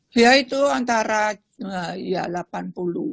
dia itu antara ya delapan puluh an lah